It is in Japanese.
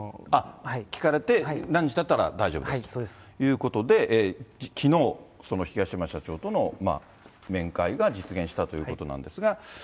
聞かれて、何日だったら大丈夫ですって。ということで、きのう、その東山社長との面会が実現したということなんですが。